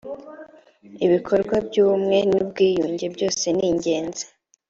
ibikorwa byubumwe nubwiyunge byose ningenzi.